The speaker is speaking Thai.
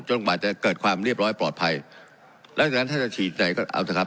กว่าจะเกิดความเรียบร้อยปลอดภัยแล้วจากนั้นถ้าจะฉีดไหนก็เอาเถอะครับ